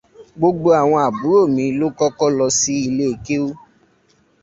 Gbogbo àwọn àbúrò mi ló kọ́kọ́ lọ sí ilé kéwú.